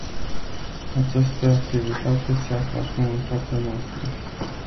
Această activitate se află acum în fața noastră.